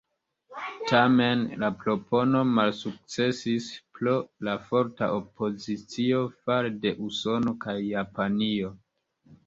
Tamen, la propono malsukcesis pro la forta opozicio fare de Usono kaj Japanio.